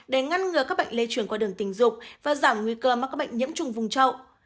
để ngăn ngừa các bệnh lây chuyển qua đường tình dục và giảm nguy cơ mắc các bệnh nhiễm trùng vùng trậu